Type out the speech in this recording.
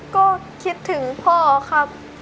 ก็คิดถึงพ่อครับ